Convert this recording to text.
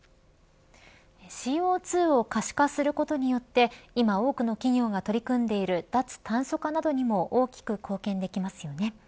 ＣＯ２を可視化することによって今多くの企業が取り組んでいる脱炭素化などにも大きく貢献できますよね。